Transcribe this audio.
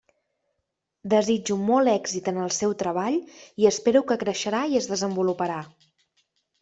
Desitjo molt èxit en el seu treball i espero que creixerà i es desenvoluparà.